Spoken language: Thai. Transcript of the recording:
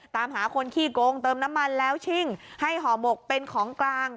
ตามหาคนขี้โกงเติมน้ำมันแล้วชิ่งให้ห่อหมกเป็นของกลาง